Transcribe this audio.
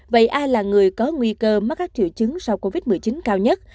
vậy ai là người có nguy cơ mắc các triệu chứng sau covid một mươi chín cao nhất